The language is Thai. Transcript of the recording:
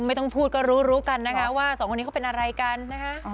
ไม่ต้องพูดก็รู้รู้กันนะคะว่าสองคนนี้เขาเป็นอะไรกันนะคะ